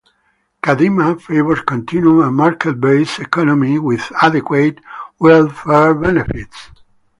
Kadima favors continuing a market-based economy with adequate welfare benefits.